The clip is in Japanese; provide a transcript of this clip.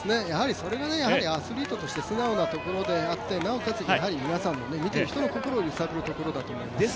それがアスリートとして素直なところであってなおかつ皆さんも見ている人の心を揺さぶるところだと思います。